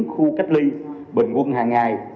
khu cách ly bệnh quân hàng ngày